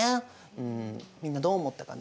うんみんなどう思ったかな？